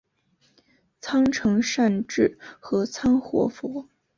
仓成善智合仓活佛。